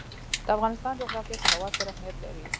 د افغانستان جغرافیه کې هوا ستر اهمیت لري.